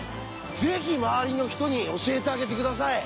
ぜひ周りの人に教えてあげて下さい。